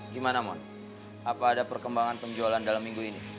gimana mon apa ada perkembangan penjualan dalam minggu ini